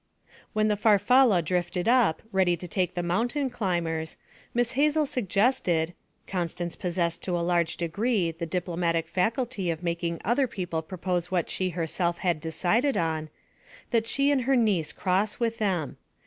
When the Farfalla drifted up ready to take the mountain climbers, Miss Hazel suggested (Constance possessed to a large degree the diplomatic faculty of making other people propose what she herself had decided on) that she and her niece cross with them.